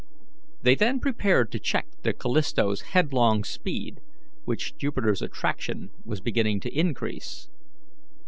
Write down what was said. They then prepared to check the Callisto's headlong speed, which Jupiter's attraction was beginning to increase.